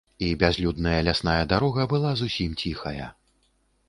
І бязлюдная лясная дарога была зусім ціхая.